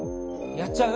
やっちゃう？